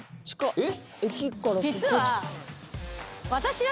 えっ⁉